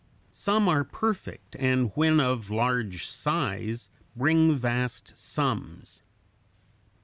Some are perfect, and when of large size bring vast sums.